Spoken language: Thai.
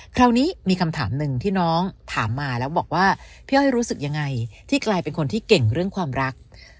คราวนี้มีคำถามหนึ่งที่น้องถามมาแล้วบอกว่าพี่อ้อยรู้สึกยังไงที่กลายเป็นคนที่เก่งเรื่องความรัก